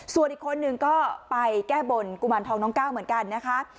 ส่วนอีกคนนึงก็ไปแก้บนกุมารทองน้องก้าวเหมือนกันนะคะ